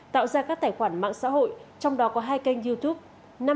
tạo ra các tài khoản mạng xã hội trong đó có hai kênh youtube